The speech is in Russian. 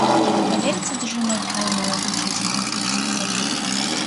Проверит содержимое файла на наличие синтаксических ошибок